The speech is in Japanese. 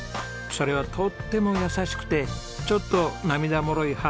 それはとっても優しくてちょっと涙もろい